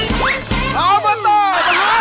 ออเบอร์ตอร์มหาสนุก